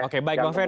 oke baik bang ferry